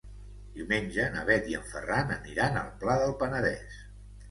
Diumenge na Bet i en Ferran aniran al Pla del Penedès.